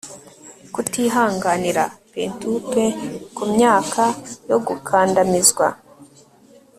Kutihanganira pentup kumyaka yo gukandamizwa